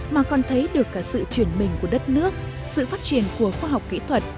mà còn thấy được cả sự chuyển mình của đất nước sự phát triển của khoa học kỹ thuật